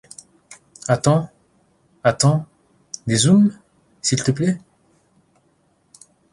— Attends, attends, dézoome, s’il te plaît !